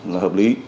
là hợp lý